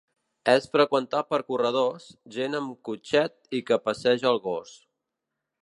És freqüentat per corredors, gent amb cotxet i que passeja el gos.